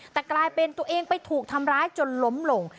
แต่กลายเป็นตัวเองไปถูกทำร้ายจนล้มลง